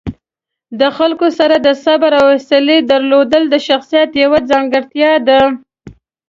د خلکو سره د صبر او حوصلې درلودل د شخصیت یوه ځانګړتیا ده.